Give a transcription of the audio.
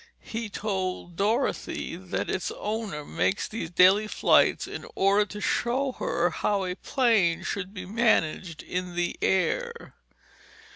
He told Dorothy that its owner made these daily flights in order to show her how a plane should be managed in the air.